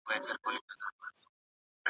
الله د ټولو ستونزو حل کونکی دی.